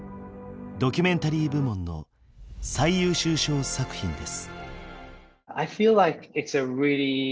ドキュメンタリー部門の最優秀賞作品です。